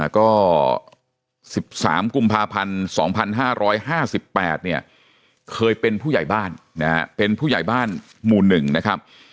ก็๑๓กุมภาพันธ์๒๕๕๘เนี่ยเคยเป็นผู้ใหญ่บ้านนะฮะเป็นผู้ใหญ่บ้านหมู่๑นะครับ